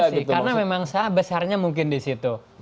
masih karena memang saya besarnya mungkin disitu